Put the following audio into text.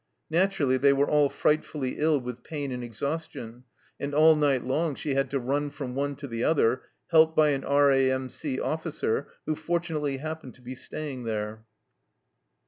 Naturally they were all frightfully ill with pain and exhaustion, and all night long she had to run from one to the other, helped by an R.A.M.C. officer who fortunately happened to be staying there.